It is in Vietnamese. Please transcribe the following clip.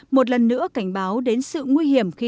một lần nữa cảnh báo đến sự nguy hiểm